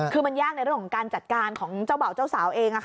คือมันยากในเรื่องของการจัดการของเจ้าบ่าวเจ้าสาวเอง